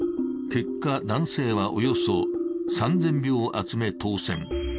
結果、男性はおよそ３０００票を集め、当選。